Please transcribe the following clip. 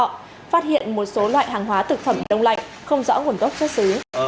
phát hiện một số loại hàng hóa thực phẩm đông lạnh không rõ nguồn gốc xuất xứ